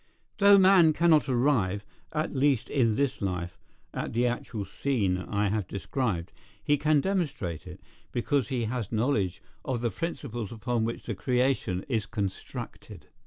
Though man cannot arrive, at least in this life, at the actual scene I have described, he can demonstrate it, because he has knowledge of the principles upon which the creation is constructed.